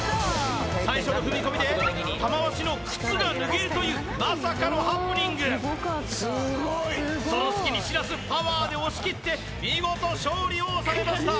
最初の踏み込みで玉鷲の靴が脱げるというまさかのハプニングその隙にしらすパワーで押し切って見事勝利を収めました